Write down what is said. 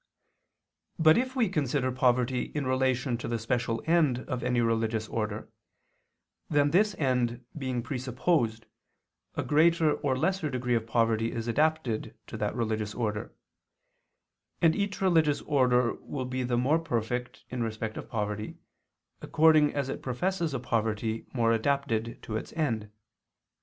But if we consider poverty in relation to the special end of any religious order, then this end being presupposed, a greater or lesser degree of poverty is adapted to that religious order; and each religious order will be the more perfect in respect of poverty, according as it professes a poverty more adapted to its end.